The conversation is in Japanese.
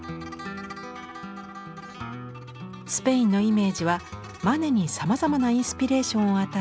スペインのイメージはマネにさまざまなインスピレーションを与え